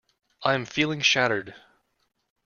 I am feeling shattered.